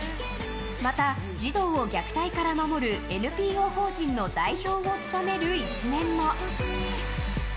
また、児童を虐待から守るＮＰＯ法人の代表を務める一面も。